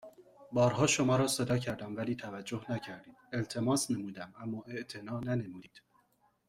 بارها شما را صدا کردم ولی توجه نكرديد التماس نمودم اما اعتنا ننموديد